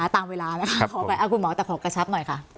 ตามเวลาพยายามมาอ้างคุณหมอธักของกระชับหน่อยค่ะ